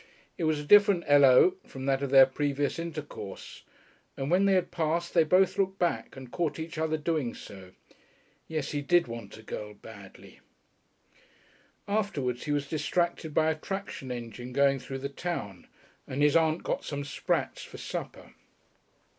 it was a different "hello" from that of their previous intercourse. And when they had passed they both looked back and caught each other doing so. Yes, he did want a girl badly.... Afterwards he was distracted by a traction engine going through the town, and his aunt had got some sprats for supper.